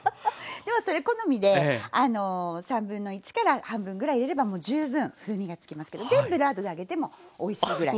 でもそれ好みで1/3から半分ぐらい入れればもう十分風味がつきますけど全部ラードで揚げてもおいしいぐらい。